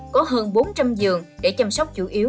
có hơn bốn trăm linh giường để chăm sóc chủ yếu